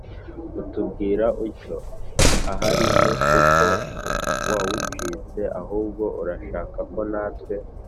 utubwira utyo, ahari ni uko wawucitse. Ahubwo urashaka ko natwe